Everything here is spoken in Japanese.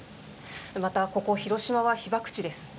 またここ広島は被爆地です。